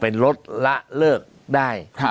ไปลดละเลิกได้